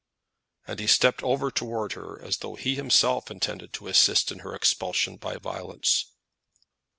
And he stepped over towards her as though he himself intended to assist in her expulsion by violence.